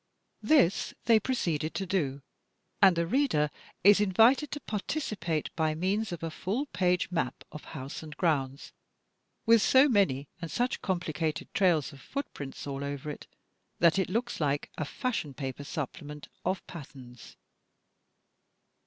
This they proceeded to do, and the reader is invited to participate by means of a full page map of house and grounds, with so many and such complicated trails of footprints all over it, that it looks like a Fashion Paper Supplement of patterns.